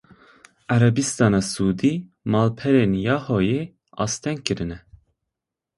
Erebistana Siûdî malperên Yahooyê asteng kirine.